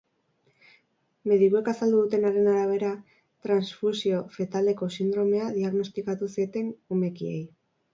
Medikuek azaldu dutenaren arabera, transfusio fetaleko sindromea diagnostikatu zieten umekiei.